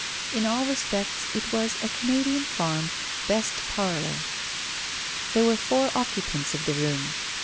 In all respects it was a Canadian farm "best parlour." There were four occupants of the room.